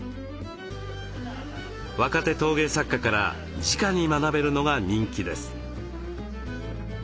若手陶芸作家からじかに学べるのが人気です。